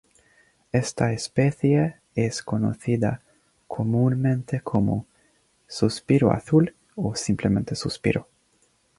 Esta especie es conocida comúnmente como 'Suspiro azul' o simplemente 'Suspiro'.